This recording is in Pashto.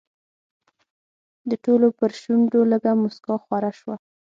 د ټولو پر شونډو لږه موسکا خوره شوه.